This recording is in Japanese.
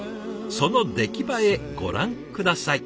その出来栄えご覧下さい。